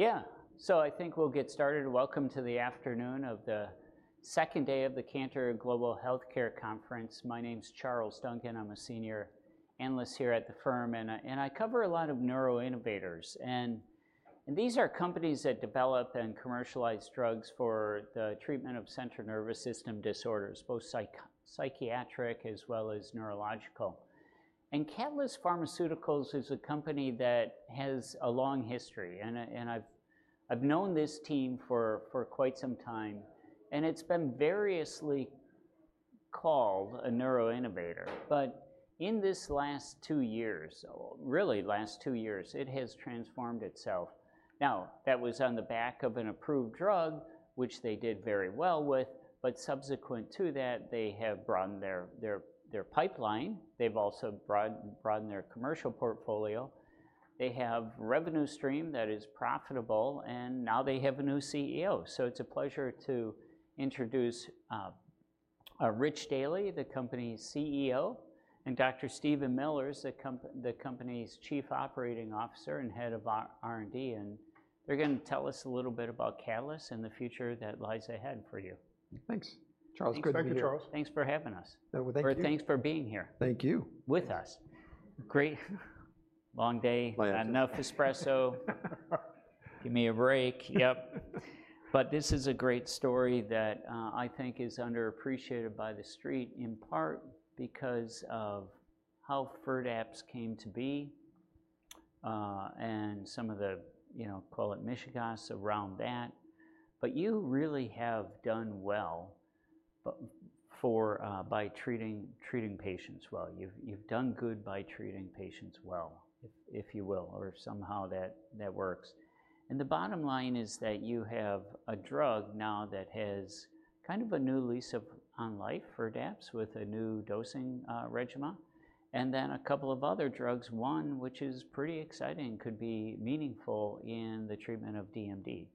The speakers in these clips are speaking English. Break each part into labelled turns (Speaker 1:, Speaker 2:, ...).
Speaker 1: Yeah, so I think we'll get started. Welcome to the afternoon of the second day of the Cantor Global Healthcare Conference. My name's Charles Duncan. I'm a senior analyst here at the firm, and I cover a lot of neuroinnovators. And these are companies that develop and commercialize drugs for the treatment of central nervous system disorders, both psychiatric as well as neurological. And Catalyst Pharmaceuticals is a company that has a long history, and I've known this team for quite some time, and it's been variously called a neuroinnovator. But in this last two years, it has transformed itself. Now, that was on the back of an approved drug, which they did very well with, but subsequent to that, they have broadened their pipeline. They've also broadened their commercial portfolio. They have revenue stream that is profitable, and now they have a new CEO. So it's a pleasure to introduce Rich Daly, the company's CEO, and Dr. Steven Miller, the company's chief operating officer and head of R&D, and they're gonna tell us a little bit about Catalyst and the future that lies ahead for you.
Speaker 2: Thanks, Charles. Good to be here.
Speaker 3: Thank you, Charles.
Speaker 1: Thanks for having us.
Speaker 2: Well, thank you.
Speaker 1: Thanks for being here.
Speaker 2: Thank you...
Speaker 1: with us. Great, long day.
Speaker 2: Well, yeah.
Speaker 1: Had enough espresso. Give me a break. Yep. But this is a great story that, I think is underappreciated by the Street, in part because of how Firdapse came to be, and some of the, you know, call it mishigas around that, but you really have done well by treating patients well. You've done good by treating patients well, if you will, or somehow that works. And the bottom line is that you have a drug now that has kind of a new lease on life, Firdapse, with a new dosing regimen, and then a couple of other drugs, one which is pretty exciting, could be meaningful in the treatment of DMD.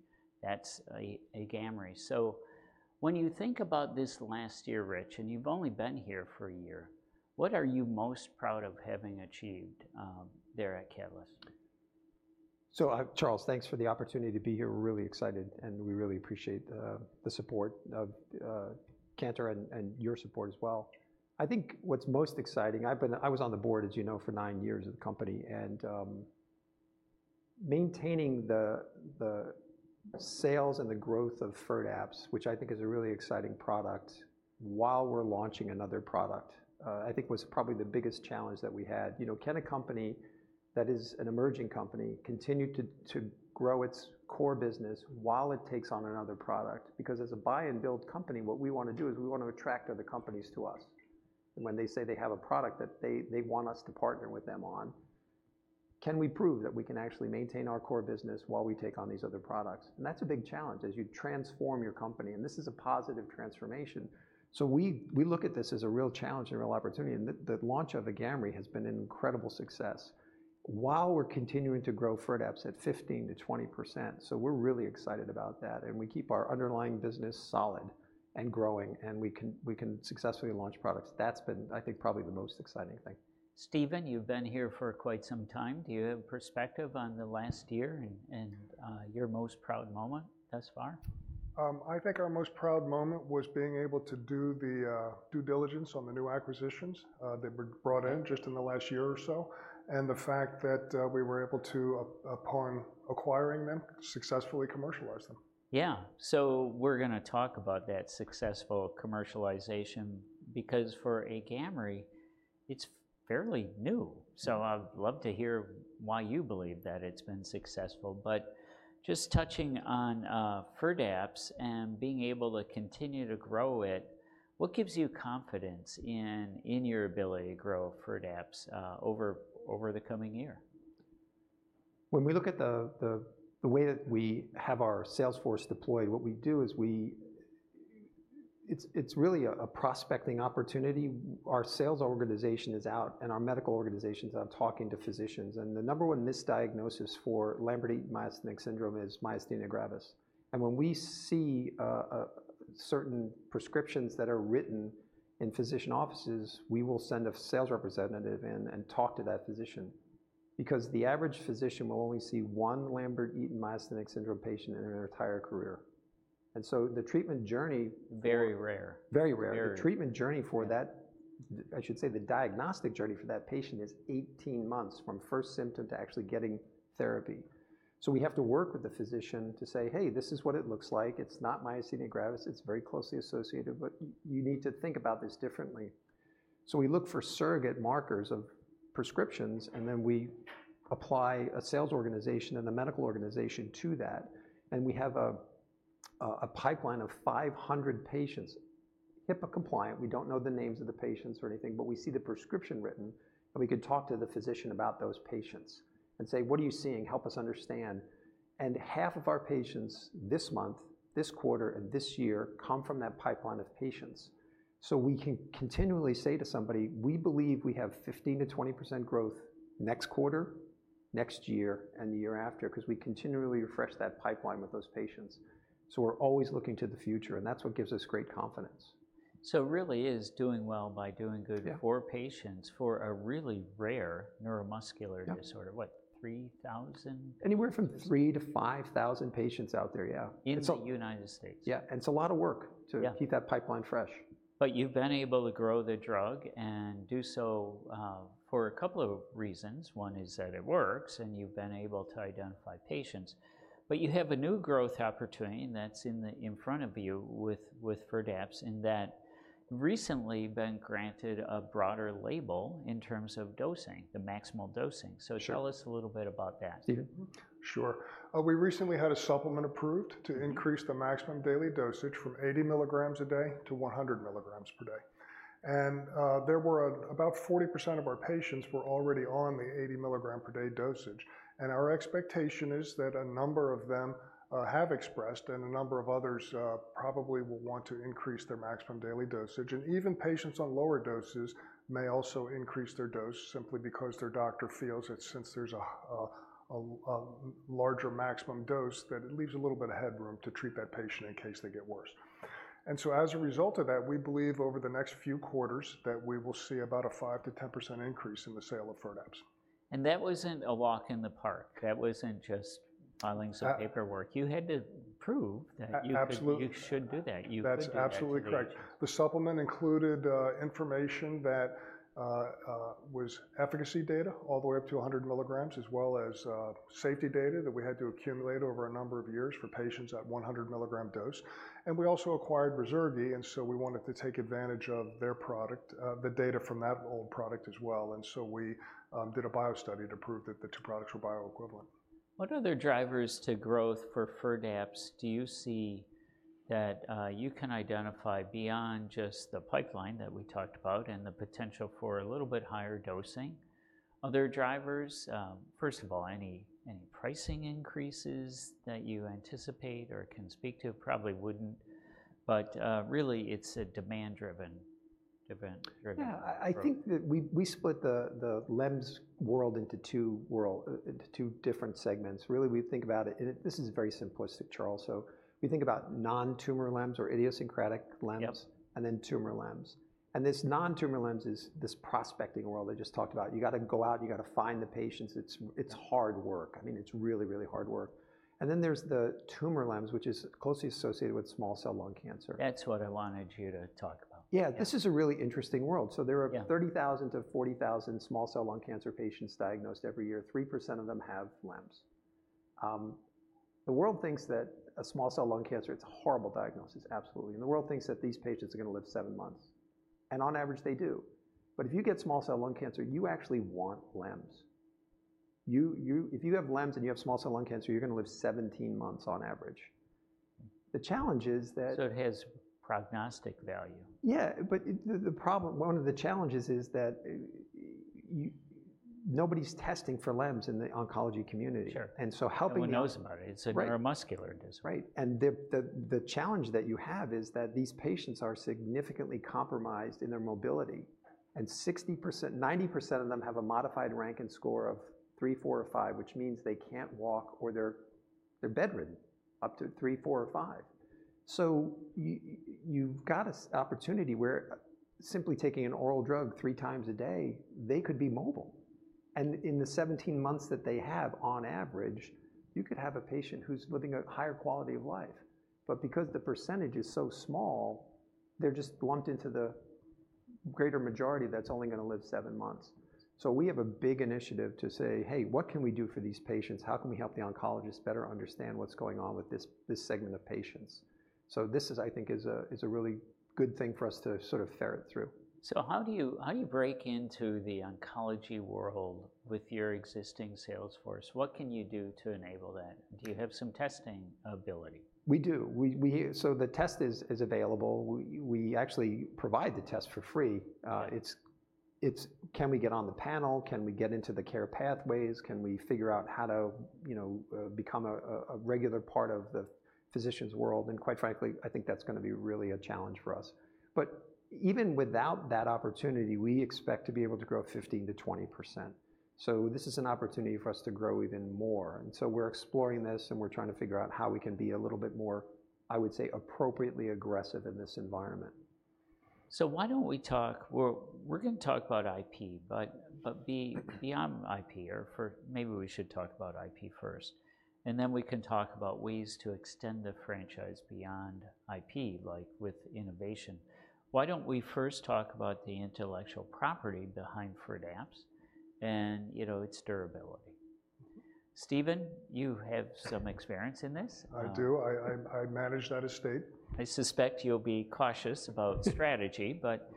Speaker 1: That's Agamree. So when you think about this last year, Rich, and you've only been here for a year, what are you most proud of having achieved there at Catalyst?
Speaker 2: So, Charles, thanks for the opportunity to be here. We're really excited, and we really appreciate the support of Cantor and your support as well. I think what's most exciting. I've been- I was on the board, as you know, for nine years of the company, and maintaining the sales and the growth of Firdapse, which I think is a really exciting product, while we're launching another product, I think was probably the biggest challenge that we had. You know, can a company that is an emerging company continue to grow its core business while it takes on another product? Because as a buy-and-build company, what we wanna do is we want to attract other companies to us. When they say they have a product that they want us to partner with them on, can we prove that we can actually maintain our core business while we take on these other products? And that's a big challenge as you transform your company, and this is a positive transformation. So we look at this as a real challenge and a real opportunity, and the launch of Agamree has been an incredible success while we're continuing to grow Firdapse at 15%-20%. So we're really excited about that, and we keep our underlying business solid and growing, and we can successfully launch products. That's been, I think, probably the most exciting thing.
Speaker 1: Steven, you've been here for quite some time. Do you have perspective on the last year and your most proud moment thus far?
Speaker 3: I think our most proud moment was being able to do the due diligence on the new acquisitions that were brought in just in the last year or so, and the fact that we were able to, upon acquiring them, successfully commercialize them.
Speaker 1: Yeah. So we're gonna talk about that successful commercialization because for Agamree, it's fairly new. So I'd love to hear why you believe that it's been successful, but just touching on Firdapse and being able to continue to grow it, what gives you confidence in your ability to grow Firdapse over the coming year?
Speaker 2: When we look at the way that we have our sales force deployed, what we do is it's really a prospecting opportunity. Our sales organization is out, and our medical organization is out talking to physicians, and the number one misdiagnosis for Lambert-Eaton myasthenic syndrome is myasthenia gravis. And when we see certain prescriptions that are written in physician offices, we will send a sales representative in and talk to that physician because the average physician will only see one Lambert-Eaton myasthenic syndrome patient in their entire career, and so the treatment journey-
Speaker 1: Very rare.
Speaker 2: Very rare.
Speaker 1: Very.
Speaker 2: The treatment journey for that, I should say, the diagnostic journey for that patient is eighteen months from first symptom to actually getting therapy. So we have to work with the physician to say, "Hey, this is what it looks like. It's not myasthenia gravis. It's very closely associated, but you need to think about this differently." So we look for surrogate markers of prescriptions, and then we apply a sales organization and a medical organization to that, and we have a pipeline of 500 patients. HIPAA compliant, we don't know the names of the patients or anything, but we see the prescription written, and we can talk to the physician about those patients and say: What are you seeing? Help us understand. And half of our patients this month, this quarter, and this year come from that pipeline of patients. So we can continually say to somebody, "We believe we have 15%-20% growth next quarter, next year, and the year after," 'cause we continually refresh that pipeline with those patients. So we're always looking to the future, and that's what gives us great confidence....
Speaker 1: So really is doing well by doing good-
Speaker 2: Yeah
Speaker 1: -for patients for a really rare neuromuscular disorder.
Speaker 2: Yeah.
Speaker 1: What, three thousand?
Speaker 2: Anywhere from three to five thousand patients out there, yeah, and so-
Speaker 1: In the United States?
Speaker 2: Yeah, and it's a lot of work-
Speaker 1: Yeah
Speaker 2: -to keep that pipeline fresh.
Speaker 1: But you've been able to grow the drug and do so for a couple of reasons. One is that it works, and you've been able to identify patients, but you have a new growth opportunity that's in front of you with Firdapse, and that recently been granted a broader label in terms of dosing, the maximal dosing.
Speaker 2: Sure.
Speaker 1: So tell us a little bit about that.
Speaker 2: Steven?
Speaker 3: Sure. We recently had a supplement approved-
Speaker 1: Mm
Speaker 3: to increase the maximum daily dosage from 80 milligrams a day to 100 milligrams per day. There were about 40% of our patients who were already on the 80 milligram per day dosage, and our expectation is that a number of them have expressed and a number of others probably will want to increase their maximum daily dosage. Even patients on lower doses may also increase their dose simply because their doctor feels that since there's a larger maximum dose, that it leaves a little bit of headroom to treat that patient in case they get worse. As a result of that, we believe over the next few quarters that we will see about a 5%-10% increase in the sale of Firdapse.
Speaker 1: And that wasn't a walk in the park. That wasn't just-
Speaker 3: Uh
Speaker 1: Filing some paperwork. You had to prove that
Speaker 3: A-absolutely...
Speaker 1: you should do that, you could do that.
Speaker 3: That's absolutely correct. The supplement included information that was efficacy data all the way up to 100 milligrams, as well as safety data that we had to accumulate over a number of years for patients at 100 milligram dose, and we also acquired Ruzurgi, and so we wanted to take advantage of their product, the data from that old product as well, and so we did a bio study to prove that the two products were bioequivalent.
Speaker 1: What other drivers to growth for Firdapse do you see that you can identify beyond just the pipeline that we talked about and the potential for a little bit higher dosing? Other drivers. First of all, any pricing increases that you anticipate or can speak to? Probably wouldn't, but really, it's a demand-driven event, or growth.
Speaker 2: Yeah, I think that we split the LEMS world into two different segments. Really, we think about it, and it... This is very simplistic, Charles, so we think about non-tumor LEMS or idiosyncratic LEMS.
Speaker 1: Yep
Speaker 2: -and then tumor LEMS. And this non-tumor LEMS is this prospecting world I just talked about. You gotta go out, and you gotta find the patients. It's, it's hard work. I mean, it's really, really hard work. And then there's the tumor LEMS, which is closely associated with small cell lung cancer.
Speaker 1: That's what I wanted you to talk about.
Speaker 2: Yeah.
Speaker 1: Yeah.
Speaker 2: This is a really interesting world.
Speaker 1: Yeah.
Speaker 2: There are 30,000-40,000 small cell lung cancer patients diagnosed every year. 3% of them have LEMS. The world thinks that a small cell lung cancer, it's a horrible diagnosis, absolutely, and the world thinks that these patients are gonna live seven months, and on average, they do. But if you get small cell lung cancer, you actually want LEMS. If you have LEMS, and you have small cell lung cancer, you're gonna live 17 months on average. The challenge is that-
Speaker 1: So it has prognostic value?
Speaker 2: Yeah, but the problem, one of the challenges is that nobody's testing for LEMS in the oncology community.
Speaker 1: Sure.
Speaker 2: And so helping-
Speaker 1: No one knows about it.
Speaker 2: Right.
Speaker 1: It's a neuromuscular disorder.
Speaker 2: Right, and the challenge that you have is that these patients are significantly compromised in their mobility, and 60%-90% of them have a Modified Rankin Scale of three, four, or five, which means they can't walk or they're bedridden, up to three, four, or five. So you've got a significant opportunity where simply taking an oral drug three times a day, they could be mobile, and in the 17 months that they have on average, you could have a patient who's living a higher quality of life. But because the percentage is so small, they're just lumped into the greater majority that's only gonna live 7 months. So we have a big initiative to say, "Hey, what can we do for these patients? How can we help the oncologist better understand what's going on with this segment of patients?" So this is, I think, a really good thing for us to sort of ferret through.
Speaker 1: So how do you break into the oncology world with your existing sales force? What can you do to enable that? Do you have some testing ability?
Speaker 2: We do. We actually provide the test for free. Can we get on the panel? Can we get into the care pathways? Can we figure out how to, you know, become a regular part of the physician's world? And quite frankly, I think that's gonna be really a challenge for us. But even without that opportunity, we expect to be able to grow 15%-20%, so this is an opportunity for us to grow even more, and so we're exploring this, and we're trying to figure out how we can be a little bit more, I would say, appropriately aggressive in this environment.
Speaker 1: We're gonna talk about IP, but beyond IP. Maybe we should talk about IP first, and then we can talk about ways to extend the franchise beyond IP, like with innovation. Why don't we first talk about the intellectual property behind Firdapse and, you know, its durability? Steven, you have some experience in this.
Speaker 3: I do. I manage that estate.
Speaker 1: I suspect you'll be cautious about strategy, but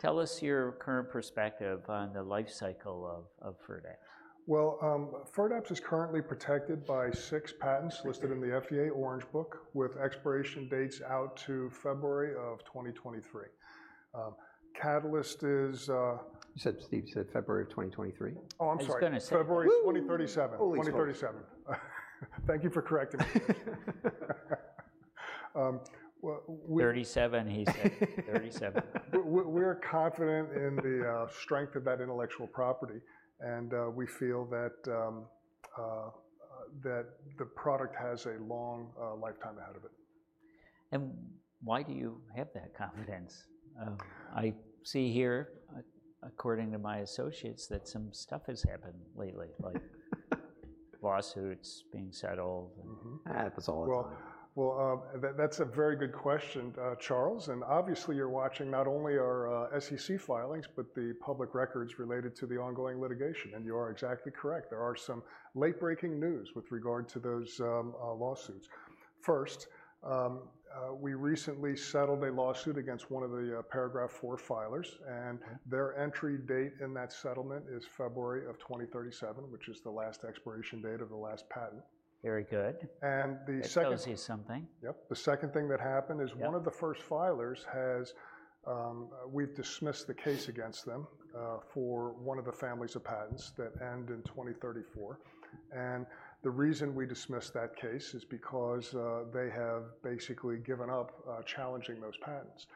Speaker 1: tell us your current perspective on the life cycle of Firdapse.
Speaker 3: Firdapse is currently protected by six patents.
Speaker 1: Okay...
Speaker 3: listed in the FDA Orange Book, with expiration dates out to February of 2023. Catalyst is,
Speaker 2: You said, Steve, you said February of 2023?
Speaker 3: Oh, I'm sorry.
Speaker 1: He's gonna say, "Whoo!
Speaker 3: February 2037.
Speaker 1: Holy smokes.
Speaker 3: Thank you for correcting me. Well, we-
Speaker 1: Thirty-seven, he said. Thirty-seven.
Speaker 3: We're confident in the strength of that intellectual property, and we feel that the product has a long lifetime ahead of it.
Speaker 1: Why do you have that confidence? I see here, according to my associates, that some stuff has happened lately, like lawsuits being settled, and-
Speaker 2: Mm-hmm. Ah, it happens all the time.
Speaker 3: That's a very good question, Charles, and obviously you're watching not only our SEC filings but the public records related to the ongoing litigation, and you are exactly correct. There are some late-breaking news with regard to those lawsuits. First, we recently settled a lawsuit against one of the Paragraph IV filers, and their entry date in that settlement is February of 2037, which is the last expiration date of the last patent.
Speaker 1: Very good.
Speaker 3: And the second-
Speaker 1: That tells you something.
Speaker 3: Yep. The second thing that happened is-
Speaker 1: Yep...
Speaker 3: one of the first filers has, we've dismissed the case against them, for one of the families of patents that end in 2034. And the reason we dismissed that case is because, they have basically given up, challenging those patents.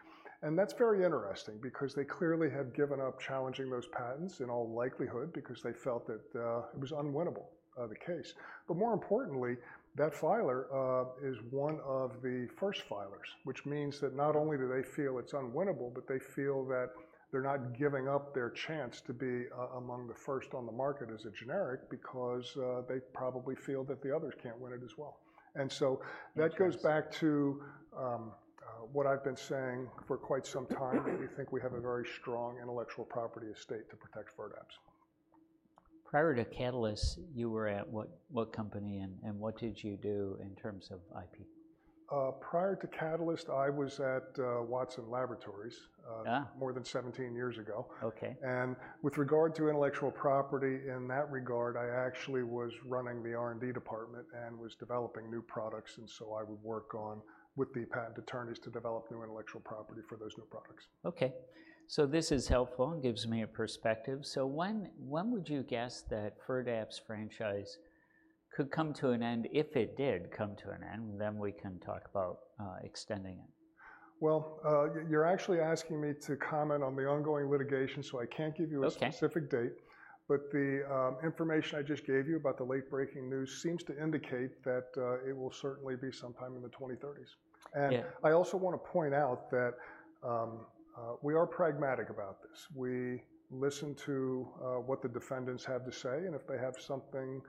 Speaker 3: And that's very interesting because they clearly have given up challenging those patents, in all likelihood because they felt that, it was unwinnable, the case. But more importantly, that filer, is one of the first filers, which means that not only do they feel it's unwinnable, but they feel that they're not giving up their chance to be among the first on the market as a generic because, they probably feel that the others can't win it as well. And so-
Speaker 1: Interesting...
Speaker 3: that goes back to what I've been saying for quite some time, that we think we have a very strong intellectual property estate to protect Firdapse.
Speaker 1: Prior to Catalyst, you were at what company, and what did you do in terms of IP?
Speaker 3: Prior to Catalyst, I was at Watson Laboratories-
Speaker 1: Ah!
Speaker 3: more than seventeen years ago.
Speaker 1: Okay.
Speaker 3: With regard to intellectual property, in that regard, I actually was running the R&D department and was developing new products, and so I would work on with the patent attorneys to develop new intellectual property for those new products.
Speaker 1: Okay. So this is helpful and gives me a perspective. So when would you guess that Firdapse franchise could come to an end, if it did come to an end? Then we can talk about extending it.
Speaker 3: You're actually asking me to comment on the ongoing litigation, so I can't give you a-
Speaker 1: Okay...
Speaker 3: specific date, but the information I just gave you about the late breaking news seems to indicate that it will certainly be sometime in the 2030s.
Speaker 1: Yeah.
Speaker 3: I also want to point out that we are pragmatic about this. We listen to what the defendants have to say, and if they have something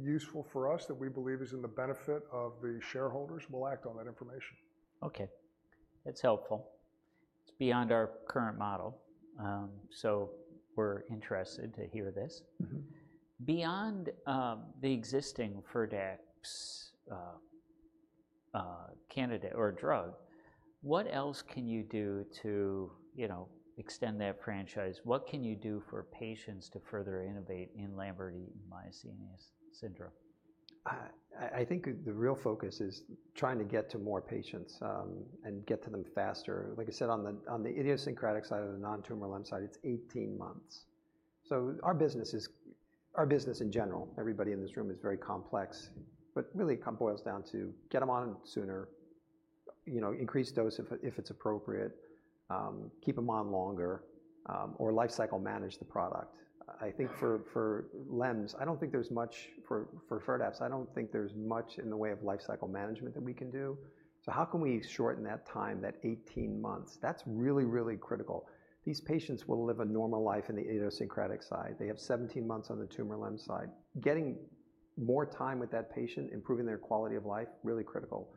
Speaker 3: useful for us that we believe is in the benefit of the shareholders, we'll act on that information.
Speaker 1: Okay. That's helpful. It's beyond our current model, so we're interested to hear this.
Speaker 3: Mm-hmm.
Speaker 1: Beyond the existing Firdapse, candidate or drug, what else can you do to, you know, extend that franchise? What can you do for patients to further innovate in Lambert-Eaton myasthenic syndrome?
Speaker 2: I think the real focus is trying to get to more patients and get to them faster. Like I said, on the idiopathic side of the non-tumor LEMS side, it's eighteen months. So our business is. Our business in general, everybody in this room, is very complex, but really, it boils down to get them on sooner, you know, increase dose if it's appropriate, keep them on longer, or lifecycle manage the product. I think for LEMS, I don't think there's much for Firdapse, I don't think there's much in the way of lifecycle management that we can do. So how can we shorten that time, that eighteen months? That's really, really critical. These patients will live a normal life on the idiopathic side. They have seventeen months on the tumor LEMS side. Getting more time with that patient, improving their quality of life, really critical.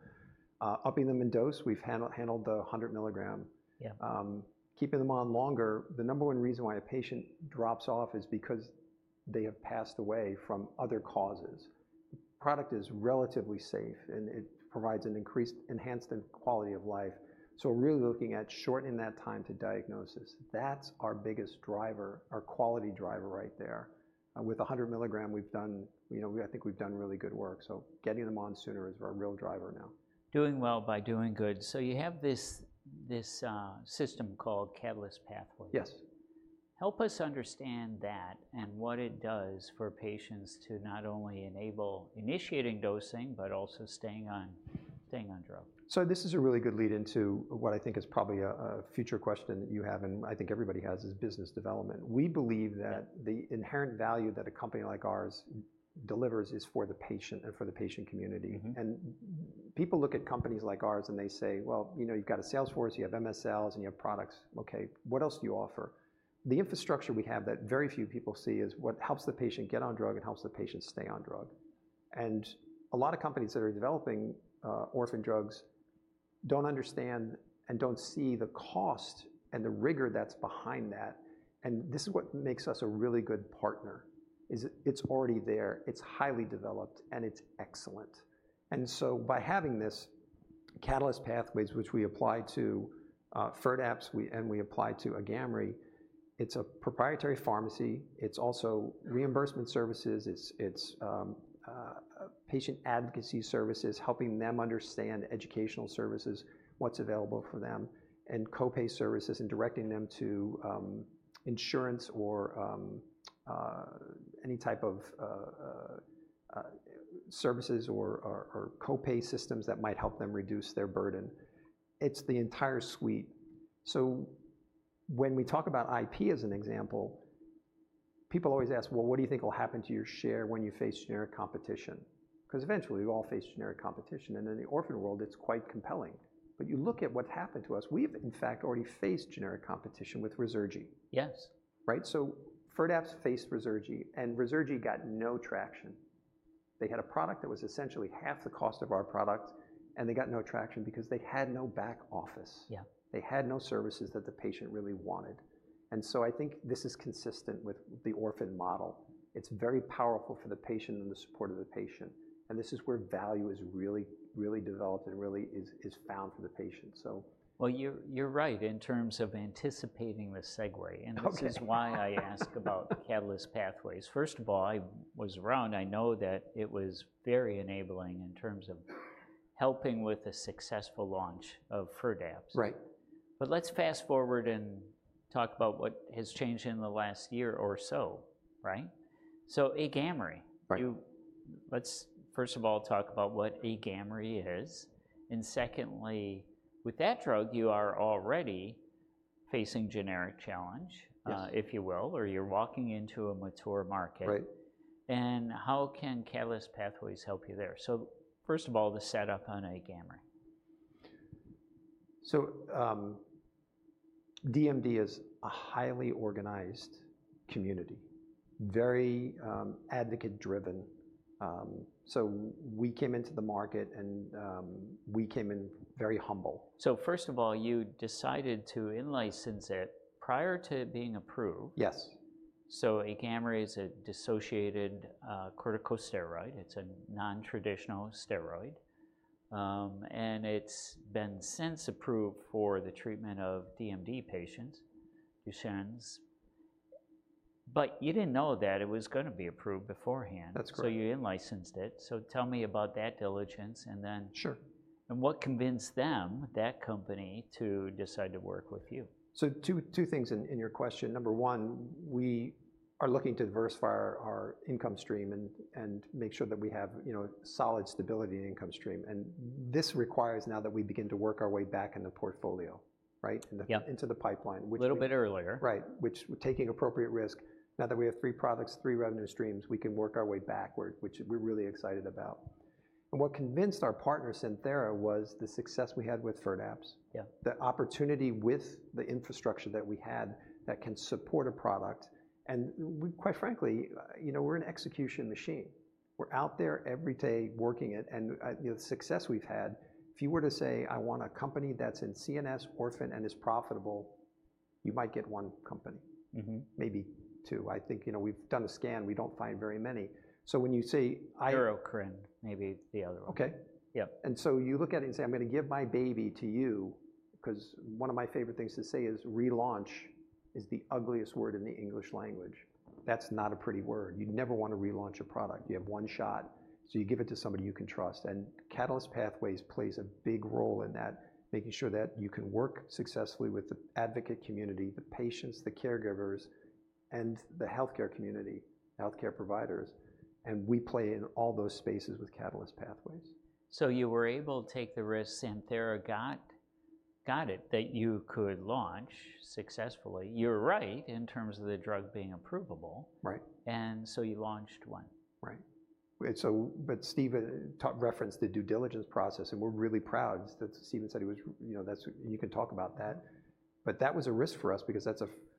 Speaker 2: Upping them in dose, we've handled the hundred milligram.
Speaker 1: Yeah.
Speaker 2: Keeping them on longer, the number one reason why a patient drops off is because they have passed away from other causes. Product is relatively safe, and it provides an increased, enhanced, and quality of life. So we're really looking at shortening that time to diagnosis. That's our biggest driver, our quality driver right there. With 100 milligram, we've done, you know, I think we've done really good work, so getting them on sooner is our real driver now.
Speaker 1: Doing well by doing good. So you have this system called Catalyst Pathways.
Speaker 2: Yes.
Speaker 1: Help us understand that and what it does for patients to not only enable initiating dosing but also staying on drug.
Speaker 2: So this is a really good lead into what I think is probably a future question that you have, and I think everybody has, is business development. We believe that-
Speaker 1: Yep...
Speaker 2: the inherent value that a company like ours delivers is for the patient and for the patient community.
Speaker 1: Mm-hmm.
Speaker 2: And people look at companies like ours, and they say, "Well, you know, you've got a sales force, you have MSLs, and you have products. Okay, what else do you offer?" The infrastructure we have that very few people see is what helps the patient get on drug and helps the patient stay on drug. And a lot of companies that are developing orphan drugs don't understand and don't see the cost and the rigor that's behind that, and this is what makes us a really good partner, is it's already there, it's highly developed, and it's excellent. And so by having this Catalyst Pathways, which we apply to Firdapse, and we apply to Agamree, it's a proprietary pharmacy. It's also reimbursement services. It's patient advocacy services, helping them understand educational services, what's available for them, and co-pay services, and directing them to insurance or any type of services or co-pay systems that might help them reduce their burden. It's the entire suite. When we talk about IP as an example, people always ask, "Well, what do you think will happen to your share when you face generic competition?" 'Cause eventually, we all face generic competition, and in the orphan world, it's quite compelling. But you look at what happened to us, we've, in fact, already faced generic competition with Ruzurgi.
Speaker 1: Yes.
Speaker 2: Right? So Firdapse faced Ruzurgi, and Ruzurgi got no traction. They had a product that was essentially half the cost of our product, and they got no traction because they had no back office.
Speaker 1: Yeah.
Speaker 2: They had no services that the patient really wanted, and so I think this is consistent with the orphan model. It's very powerful for the patient and the support of the patient, and this is where value is really, really developed and really is, is found for the patient, so.
Speaker 1: You're right in terms of anticipating the segue-
Speaker 2: Okay.
Speaker 1: And this is why I ask about Catalyst Pathways. First of all, I was around. I know that it was very enabling in terms of helping with the successful launch of Firdapse.
Speaker 2: Right.
Speaker 1: But let's fast-forward and talk about what has changed in the last year or so, right? So AGAMREE.
Speaker 2: Right.
Speaker 1: Let's first of all talk about what Agamree is, and secondly, with that drug, you are already facing generic challenge-
Speaker 2: Yes...
Speaker 1: if you will, or you're walking into a mature market.
Speaker 2: Right.
Speaker 1: How can Catalyst Pathways help you there? First of all, the setup on Agamree.
Speaker 2: So, DMD is a highly organized community, very advocate-driven. So we came into the market, and we came in very humble.
Speaker 1: So first of all, you decided to in-license it prior to it being approved.
Speaker 2: Yes.
Speaker 1: So Agamree is a dissociative corticosteroid. It's a non-traditional steroid, and it's been since approved for the treatment of DMD patients, Duchenne's, but you didn't know that it was gonna be approved beforehand.
Speaker 2: That's correct.
Speaker 1: So you in-licensed it, so tell me about that diligence and then-
Speaker 2: Sure...
Speaker 1: and what convinced them, that company, to decide to work with you?
Speaker 2: So two things in your question. Number one, we are looking to diversify our income stream and make sure that we have, you know, solid stability and income stream, and this requires now that we begin to work our way back in the portfolio, right?
Speaker 1: Yeah.
Speaker 2: Into the pipeline, which-
Speaker 1: A little bit earlier.
Speaker 2: Right, which we're taking appropriate risk. Now that we have three products, three revenue streams, we can work our way backward, which we're really excited about. And what convinced our partner, Santhera, was the success we had with Firdapse.
Speaker 1: Yeah.
Speaker 2: The opportunity with the infrastructure that we had that can support a product, and we... Quite frankly, you know, we're an execution machine. We're out there every day working it, and, you know, the success we've had, if you were to say, "I want a company that's in CNS orphan and is profitable," you might get one company.
Speaker 1: Mm-hmm.
Speaker 2: Maybe two. I think, you know, we've done a scan. We don't find very many. So when you say I-
Speaker 1: Neurocrine may be the other one.
Speaker 2: Okay.
Speaker 1: Yeah.
Speaker 2: And so you look at it and say, "I'm gonna give my baby to you," 'cause one of my favorite things to say is, "Relaunch is the ugliest word in the English language." That's not a pretty word. You'd never want to relaunch a product. You have one shot, so you give it to somebody you can trust, and Catalyst Pathways plays a big role in that, making sure that you can work successfully with the advocate community, the patients, the caregivers, and the healthcare community, healthcare providers, and we play in all those spaces with Catalyst Pathways.
Speaker 1: You were able to take the risk Santhera got that you could launch successfully. You're right in terms of the drug being approvable.
Speaker 2: Right.
Speaker 1: And so you launched one.
Speaker 2: Right. And so, but Steven talked in reference to the due diligence process, and we're really proud. That's what Steven said he was. You know, that's. You can talk about that. But that was a risk for us because,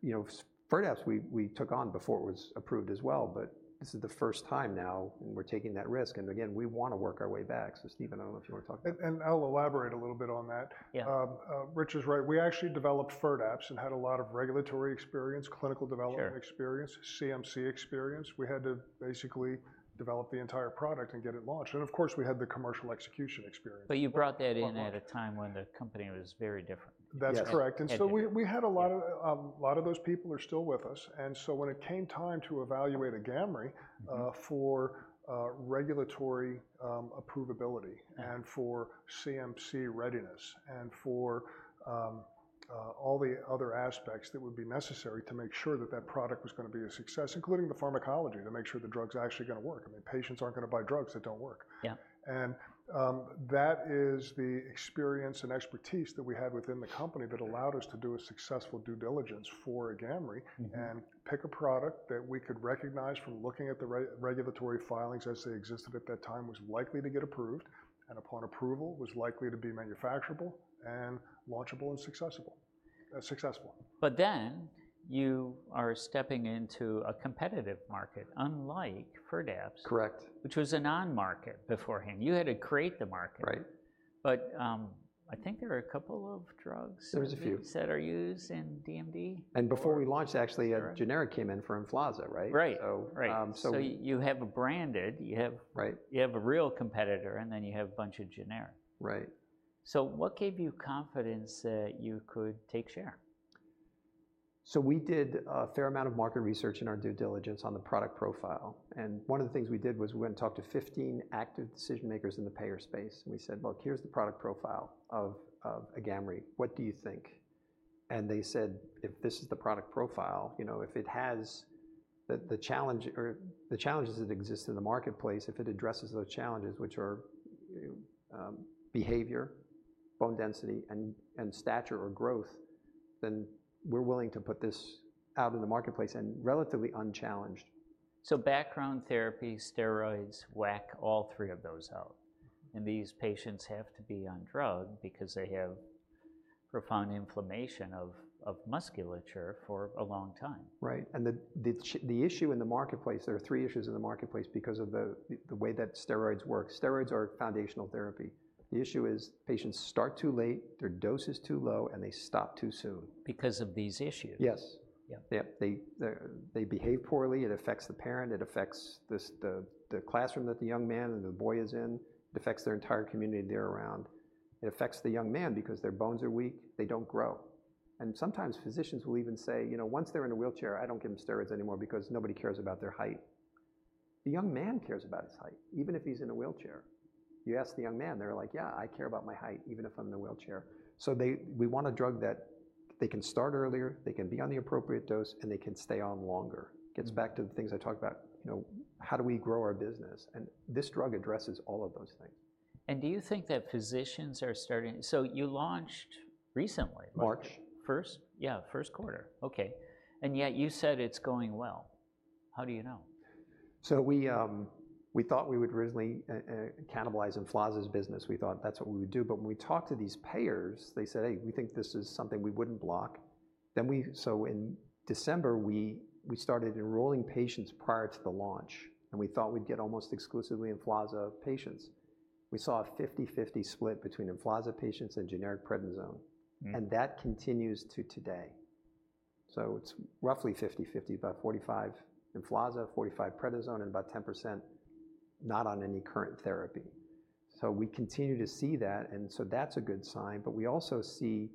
Speaker 2: you know, Firdapse, we took on before it was approved as well, but this is the first time now, and we're taking that risk, and again, we want to work our way back, Steven. I don't know if you want to talk about it.
Speaker 3: I'll elaborate a little bit on that.
Speaker 1: Yeah.
Speaker 3: Rich is right. We actually developed Firdapse and had a lot of regulatory experience.
Speaker 1: Sure...
Speaker 3: clinical development experience, CMC experience. We had to basically develop the entire product and get it launched, and of course, we had the commercial execution experience.
Speaker 1: But you brought that in-
Speaker 3: But, uh-
Speaker 1: - at a time when the company was very different.
Speaker 3: That's correct.
Speaker 2: Yes.
Speaker 3: A lot of those people are still with us, and so when it came time to evaluate Agamree.
Speaker 1: Mm-hmm...
Speaker 3: for regulatory approvability-
Speaker 1: Yeah...
Speaker 3: and for CMC readiness and for, all the other aspects that would be necessary to make sure that that product was gonna be a success, including the pharmacology, to make sure the drug's actually gonna work. I mean, patients aren't gonna buy drugs that don't work.
Speaker 1: Yeah.
Speaker 3: That is the experience and expertise that we had within the company that allowed us to do a successful due diligence for Agamree.
Speaker 1: Mm-hmm...
Speaker 3: and pick a product that we could recognize from looking at the regulatory filings as they existed at that time, was likely to get approved, and upon approval, was likely to be manufacturable and launchable and successible, successful.
Speaker 1: But then you are stepping into a competitive market, unlike Firdapse-
Speaker 2: Correct...
Speaker 1: which was a non-market beforehand. You had to create the market.
Speaker 2: Right.
Speaker 1: I think there are a couple of drugs-
Speaker 2: There was a few....
Speaker 1: that are used in DMD?
Speaker 2: Before we launched, actually-
Speaker 1: Sure...
Speaker 2: a generic came in from Emflaza, right?
Speaker 1: Right.
Speaker 2: So,
Speaker 1: So you have a branded.
Speaker 2: Right...
Speaker 1: you have a real competitor, and then you have a bunch of generic.
Speaker 2: Right.
Speaker 1: So what gave you confidence that you could take share?
Speaker 2: So we did a fair amount of market research in our due diligence on the product profile, and one of the things we did was we went and talked to fifteen active decision-makers in the payer space, and we said, "Look, here's the product profile of, of Agamree. What do you think?" And they said, "If this is the product profile, you know, if it has the, the challenge or the challenges that exist in the marketplace, if it addresses those challenges, which are behavior, bone density, and stature or growth, then we're willing to put this out in the marketplace and relatively unchallenged.
Speaker 1: Background therapy, steroids, whack all three of those out, and these patients have to be on drug because they have profound inflammation of musculature for a long time.
Speaker 2: Right, and the issue in the marketplace. There are three issues in the marketplace because of the way that steroids work. Steroids are foundational therapy. The issue is patients start too late, their dose is too low, and they stop too soon.
Speaker 1: Because of these issues?
Speaker 2: Yes.
Speaker 1: Yeah.
Speaker 2: Yep, they behave poorly. It affects the parent, it affects the classroom that the young man and the boy is in. It affects their entire community they're around. It affects the young man because their bones are weak, they don't grow. And sometimes physicians will even say, "You know, once they're in a wheelchair, I don't give them steroids anymore because nobody cares about their height." The young man cares about his height, even if he's in a wheelchair. You ask the young man, they're like, "Yeah, I care about my height, even if I'm in a wheelchair." So we want a drug that they can start earlier, they can be on the appropriate dose, and they can stay on longer.
Speaker 1: Mm.
Speaker 2: Gets back to the things I talked about. You know, how do we grow our business, and this drug addresses all of those things.
Speaker 1: And do you think that physicians are starting... So you launched recently, right?
Speaker 2: March.
Speaker 1: First? Yeah, first quarter, okay, and yet you said it's going well. How do you know?
Speaker 2: So we thought we would really cannibalize Imflaza's business. We thought that's what we would do, but when we talked to these payers, they said, "Hey, we think this is something we wouldn't block." Then. So in December, we started enrolling patients prior to the launch, and we thought we'd get almost exclusively Imflaza patients. We saw a fifty-fifty split between Imflaza patients and generic prednisone.
Speaker 1: Mm.
Speaker 2: That continues to today. It's roughly 50-50, about 45 Imflaza, 45 prednisone, and about 10% not on any current therapy. We continue to see that, and that's a good sign. But we also see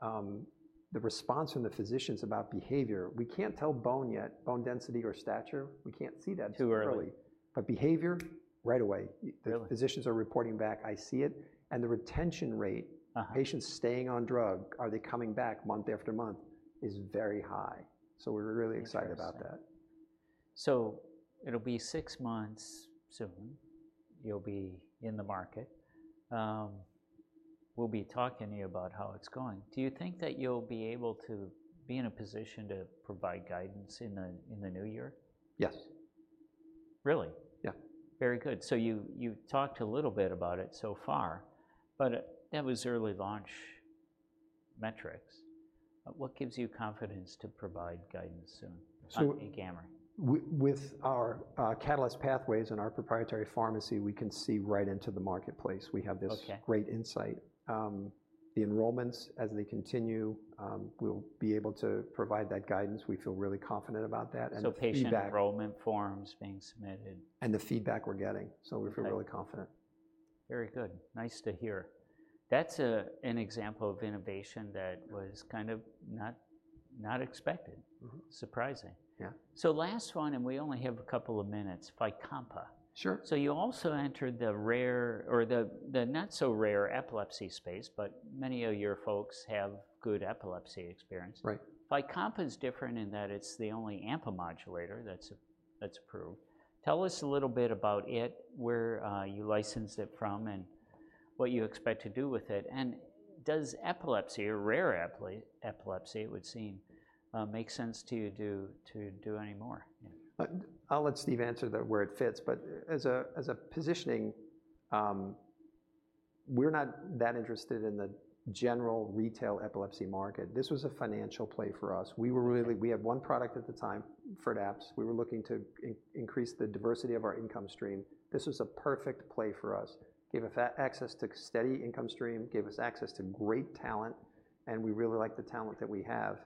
Speaker 2: the response from the physicians about behavior. We can't tell bone yet, bone density or stature, we can't see that.
Speaker 1: Too early...
Speaker 2: but behavior, right away.
Speaker 1: Really?
Speaker 2: The physicians are reporting back, "I see it," and the retention rate-
Speaker 1: Uh-huh...
Speaker 2: patients staying on drug, are they coming back month after month, is very high. So we're really excited about that.
Speaker 1: Interesting. So it'll be six months soon. You'll be in the market. We'll be talking to you about how it's going. Do you think that you'll be able to be in a position to provide guidance in the new year?
Speaker 2: Yes.
Speaker 1: Really?
Speaker 2: Yeah.
Speaker 1: Very good. So you talked a little bit about it so far, but that was early launch metrics. What gives you confidence to provide guidance soon?
Speaker 2: So-
Speaker 1: -on Agamree?
Speaker 2: With our Catalyst Pathways and our proprietary pharmacy, we can see right into the marketplace.
Speaker 1: Okay.
Speaker 2: We have this great insight. The enrollments, as they continue, we'll be able to provide that guidance. We feel really confident about that, and the feedback-
Speaker 1: So, patient enrollment forms being submitted-
Speaker 2: The feedback we're getting, so we feel really confident.
Speaker 1: Very good. Nice to hear. That's an example of innovation that was kind of not expected.
Speaker 2: Mm-hmm.
Speaker 1: Surprising.
Speaker 2: Yeah.
Speaker 1: Last one, and we only have a couple of minutes, Fycompa.
Speaker 2: Sure.
Speaker 1: So you also entered the rare or the not so rare epilepsy space, but many of your folks have good epilepsy experience.
Speaker 2: Right.
Speaker 1: Fycompa's different in that it's the only AMPA modulator that's approved. Tell us a little bit about it, where you licensed it from, and what you expect to do with it, and does epilepsy or rare epilepsy, it would seem, make sense to you to do any more? Yeah.
Speaker 2: I'll let Steve answer the where it fits, but as a positioning, we're not that interested in the general retail epilepsy market. This was a financial play for us. We were really-
Speaker 1: Okay.
Speaker 2: We had one product at the time, Firdapse. We were looking to increase the diversity of our income stream. This was a perfect play for us. Gave us access to steady income stream, gave us access to great talent, and we really like the talent that we have.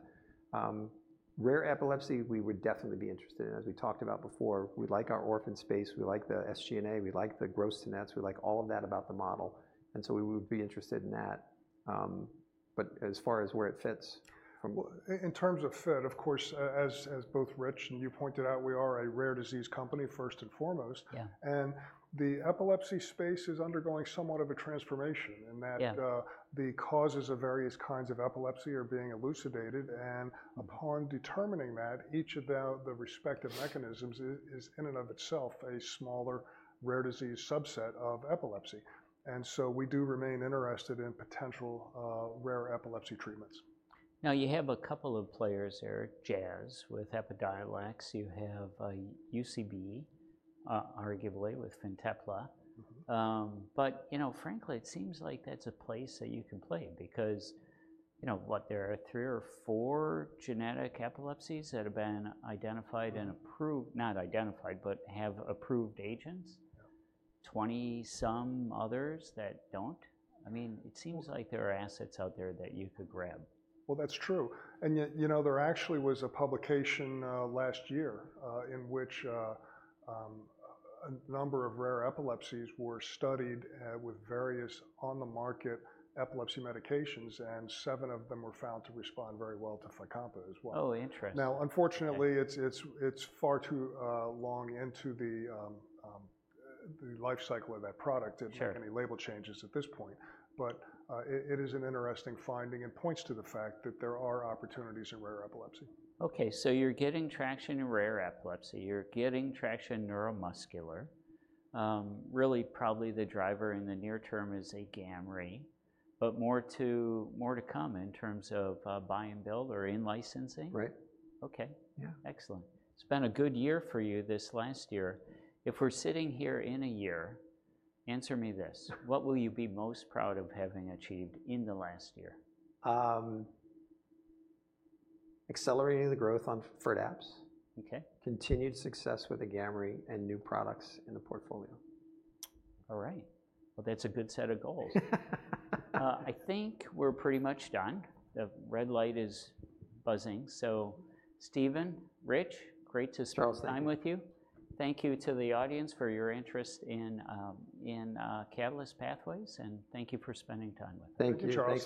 Speaker 2: Rare epilepsy, we would definitely be interested in. As we talked about before, we like our orphan space, we like the SG&A, we like the gross to nets, we like all of that about the model, and so we would be interested in that. But as far as where it fits,
Speaker 3: In terms of fit, of course, as both Rich and you pointed out, we are a rare disease company, first and foremost.
Speaker 1: Yeah.
Speaker 3: The epilepsy space is undergoing somewhat of a transformation in that.
Speaker 1: Yeah...
Speaker 3: the causes of various kinds of epilepsy are being elucidated, and upon determining that, each of the respective mechanisms is in and of itself a smaller rare disease subset of epilepsy, and so we do remain interested in potential rare epilepsy treatments.
Speaker 1: Now, you have a couple of players there, Jazz with Epidiolex. You have, UCB, arguably with Fintepla.
Speaker 2: Mm-hmm.
Speaker 1: But, you know, frankly, it seems like that's a place that you can play because, you know, what, there are three or four genetic epilepsies that have been identified and approved. Not identified, but have approved agents?
Speaker 2: Yeah.
Speaker 1: Twenty-some others that don't. I mean, it seems like there are assets out there that you could grab.
Speaker 3: That's true, and yet, you know, there actually was a publication last year in which a number of rare epilepsies were studied with various on-the-market epilepsy medications, and seven of them were found to respond very well to Fycompa as well.
Speaker 1: Oh, interesting.
Speaker 3: Now, unfortunately-
Speaker 1: Yeah...
Speaker 3: it's far too long into the life cycle of that product-
Speaker 1: Sure...
Speaker 3: to make any label changes at this point. But, it is an interesting finding and points to the fact that there are opportunities in rare epilepsy.
Speaker 1: Okay, so you're getting traction in rare epilepsy. You're getting traction in neuromuscular. Really, probably the driver in the near term is Agamree, but more to, more to come in terms of, buy and build or in-licensing?
Speaker 2: Right.
Speaker 1: Okay.
Speaker 2: Yeah.
Speaker 1: Excellent. It's been a good year for you this last year. If we're sitting here in a year, answer me this: What will you be most proud of having achieved in the last year?
Speaker 2: Accelerating the growth on Firdapse-
Speaker 1: Okay...
Speaker 2: continued success with Agamree, and new products in the portfolio.
Speaker 1: All right. Well, that's a good set of goals. I think we're pretty much done. The red light is buzzing. So Steven, Rich-
Speaker 2: Charles...
Speaker 1: great to spend time with you. Thank you to the audience for your interest in Catalyst Pathways, and thank you for spending time with us.
Speaker 2: Thank you, Charles.